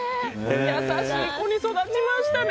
優しい子に育ちましたね。